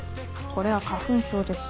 これは花粉症です。